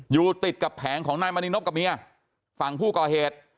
อยู่ติดกับแผงของนายมณีนบกับเมียฝั่งผู้ก่อเหตุ